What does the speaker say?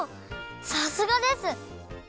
さすがです！